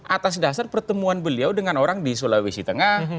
atas dasar pertemuan beliau dengan orang di sulawesi tengah